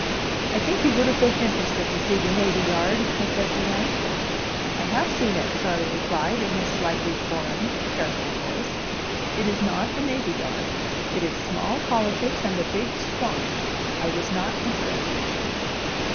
"I think you would have been interested to see the navy yard," I said to him. "I have seen it," Charley replied, in his slightly foreign, careful voice. "It is not a navy yard. It is small politics and a big swamp. I was not interested."